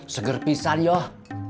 seger pisah yoh